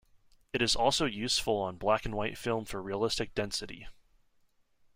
It is also useful on black and white film for realistic density.